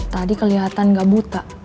tadi keliatan gak buta